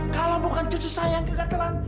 kalau bukan cucu saya yang kegatelan